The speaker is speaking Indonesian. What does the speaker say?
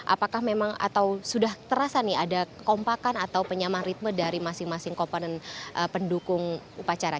apakah memang atau sudah terasa nih ada kompakan atau penyamah ritme dari masing masing komponen pendukung upacara